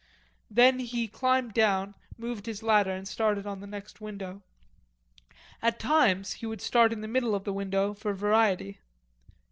Then he climbed down, moved his ladder, and started on the next window. At times he would start in the middle of the window for variety.